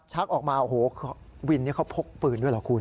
ชักออกมาโอ้โหวินนี้เขาพกปืนด้วยเหรอคุณ